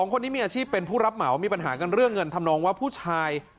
คนนี้มีอาชีพเป็นผู้รับเหมามีปัญหากันเรื่องเงินทำนองว่าผู้ชาย